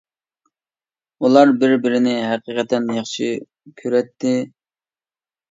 ئۇلار بىر بىرىنى ھەقىقەتەن ياخشى كۈرەتتى.